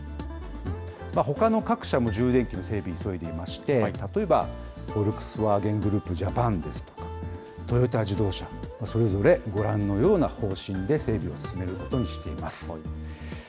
ほかの各社も充電器の整備急いでいまして、例えばフォルクスワーゲングループジャパンですとか、トヨタ自動車もそれぞれご覧のような方針で、整備を進めることにしています。